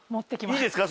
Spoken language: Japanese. いいですか？